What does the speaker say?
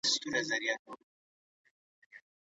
که ښوونکی وضاحت ورکړي، شک نه پاتې کېږي.